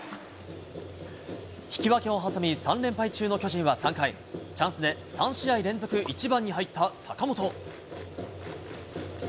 引き分けを挟み、３連敗中の巨人は３回、チャンスで３試合連続１番に入った坂本。